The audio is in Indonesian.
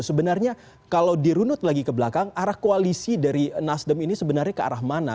sebenarnya kalau dirunut lagi ke belakang arah koalisi dari nasdem ini sebenarnya ke arah mana